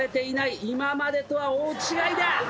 今までとは大違いだ！